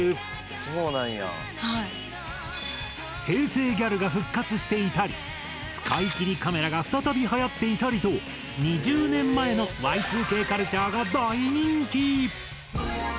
平成ギャルが復活していたり使い切りカメラが再びはやっていたりと２０年前のＹ２Ｋカルチャーが大人気！